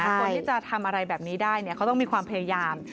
คนที่จะทำอะไรแบบนี้ได้เขาต้องมีความพยายาม